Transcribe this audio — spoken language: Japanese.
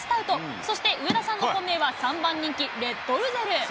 そして上田さんの本命は３番人気、レッドルゼル。